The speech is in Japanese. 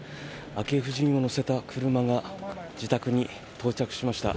昭恵夫人を乗せた車が自宅に到着しました。